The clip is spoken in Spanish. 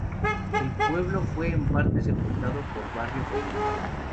El pueblo fue en parte sepultado por barro caliente.